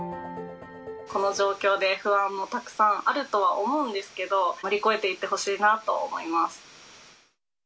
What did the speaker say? この状況で不安もたくさんあるとは思うんですけど、乗り越えていってほしいなと思います。